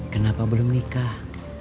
kenapa belum nikah